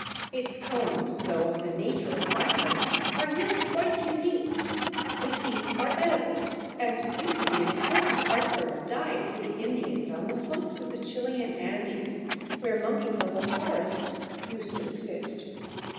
Its cones, though of the nature of pine cones, are yet quite unique. The seeds are edible, and used to be an important article of diet to the Indians on the slopes of the Chilian Andes, where monkey puzzle forests used to exist.